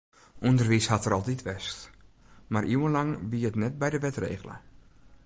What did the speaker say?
Underwiis hat der altyd west, mar iuwenlang wie it net by de wet regele.